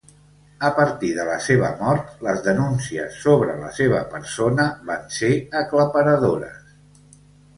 A partir de la seva mort, les denúncies sobre la seva persona van ser aclaparadores.